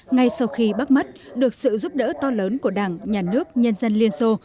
ngay sau khi bắt mắt được sự giúp đỡ to lớn của đảng nhà nước nhân dân liên xô